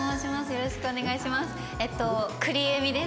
よろしくお願いします。